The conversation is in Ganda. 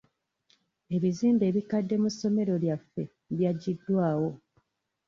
Ebizimbe ebikadde mu ssomero lyaffe byaggyiddwawo.